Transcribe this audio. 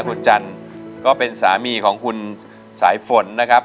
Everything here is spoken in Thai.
คุณจันทร์ก็เป็นสามีของคุณสายฝนนะครับ